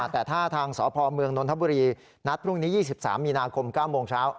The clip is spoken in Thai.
แต่ถ้าทางสพเมืองนนทบุรีนัดพรุ่งนี้๒๓มีนาคม๙โมงเช้า